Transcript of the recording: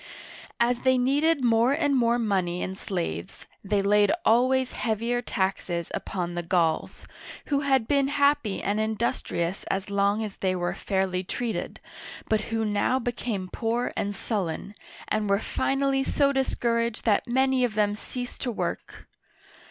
As they needed more and more money and slaves, they laid always heavier taxes upon the Gauls, who had been, happy and industrious as long as they were fairly treated, but who now became poor and sullen, and were finally so discouraged that many of them ceased to work.